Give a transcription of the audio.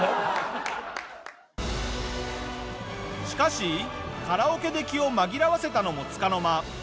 しかしカラオケで気を紛らわせたのもつかの間